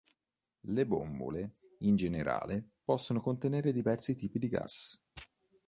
Le bombole in generale possono contenere diversi tipi di gas.